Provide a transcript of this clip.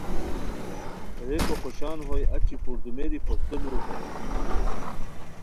ریکو خوشان ہوئے اچی پردومیری پھوستو لوؤ پرائے